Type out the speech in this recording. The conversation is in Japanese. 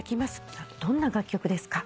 どんな楽曲ですか？